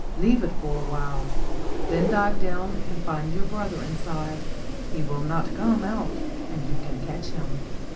Leave it for a little while, then dive down and find your brother inside. He will not come out, and you can catch him."